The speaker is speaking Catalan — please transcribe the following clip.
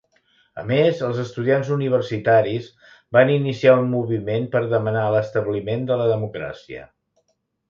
A més, els estudiants universitaris van iniciar un moviment per demanar l'establiment de la democràcia.